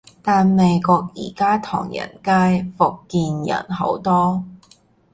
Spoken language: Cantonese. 但美國而家唐人街，福建人好多